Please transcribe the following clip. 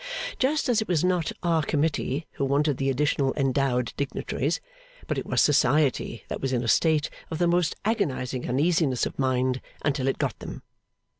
Just as it was not Our Committee who wanted the Additional Endowed Dignitaries, but it was Society that was in a state of the most agonising uneasiness of mind until it got them.